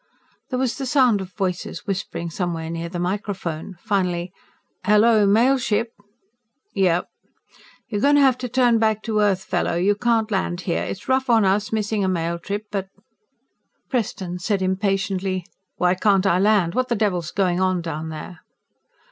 There was the sound of voices whispering somewhere near the microphone. Finally: "Hello, Mail Ship?" "Yeah?" "You're going to have to turn back to Earth, fellow. You can't land here. It's rough on us, missing a mail trip, but " Preston said impatiently, "Why can't I land? What the devil's going on down there?"